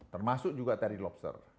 termasuk juga tadi lobster